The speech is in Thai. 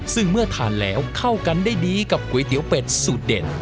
ซึ่งเมื่อทานแล้วเข้ากันได้ดีกับก๋วยเตี๋ยวเป็ดสูตรเด็ด